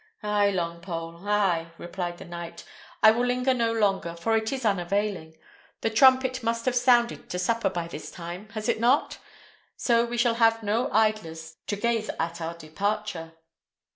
"Ay, Longpole, ay!" replied the knight; "I will linger no longer, for it is unavailing. The trumpet must have sounded to supper by this time; has it not? So we shall have no idlers to gaze at our departure."